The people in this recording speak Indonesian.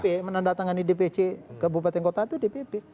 sekarang dpp menanda tangan di dpc ke bupaten kota itu dpp